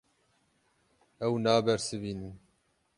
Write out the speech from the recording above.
Ew nabersivînin.